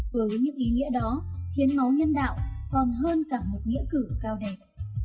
với những ý nghĩa đó hiến máu nhân đạo còn hơn cả một nghĩa cử cao đẹp